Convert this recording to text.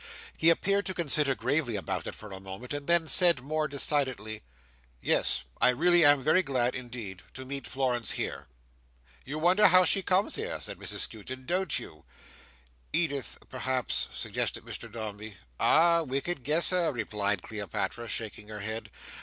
He appeared to consider gravely about it for a moment, and then said, more decidedly, "Yes, I really am very glad indeed to meet Florence here." "You wonder how she comes here?" said Mrs Skewton, "don't you?" "Edith, perhaps—" suggested Mr Dombey. "Ah! wicked guesser!" replied Cleopatra, shaking her head.